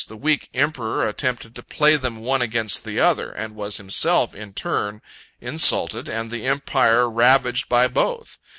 The weak emperor attempted to play them one against the other, and was himself in turn insulted, and the empire ravaged, by both.